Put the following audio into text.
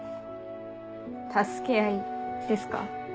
助け合いですか？